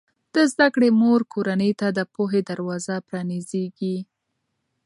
د زده کړې مور کورنۍ ته د پوهې دروازه پرانیزي.